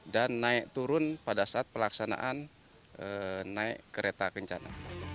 dan naik turun pada saat pelaksanaan naik kereta kencana